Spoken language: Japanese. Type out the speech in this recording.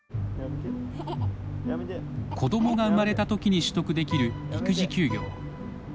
子どもが生まれたときに取得できる育児休業。